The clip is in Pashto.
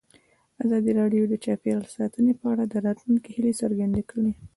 ازادي راډیو د چاپیریال ساتنه په اړه د راتلونکي هیلې څرګندې کړې.